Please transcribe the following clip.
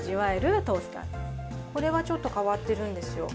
これはちょっと変わってるんですよ